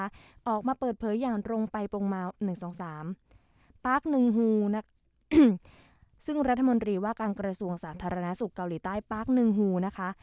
ได้รับการคุ้มครองทางกฎหมายในการเจรจาต่อรองค่ะซึ่งรัฐมนตรีว่าการกระทรวงสาธารณสุขเกาหลีใต้ปั๊กหนึ่งฮูนะคะ